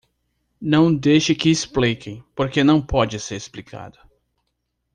Não deixe que expliquem, porque não pode ser explicado!